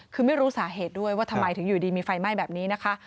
คือไม่รู้สาเหตุด้วยว่าทำไมถึงอยู่ดีมีไฟไหม้แบบนี้นะคะ